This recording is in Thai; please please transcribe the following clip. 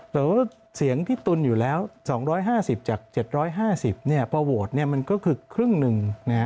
แต่ว่าเสียงพี่ตุ๋นอยู่แล้ว๒๕๐จาก๗๕๐พอโหวตมันก็คือครึ่งหนึ่ง